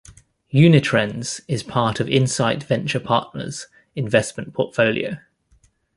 Unitrends is part of Insight Venture Partners investment portfolio.